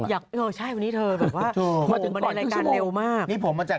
กว่ารายการเท่านี้เลวมาก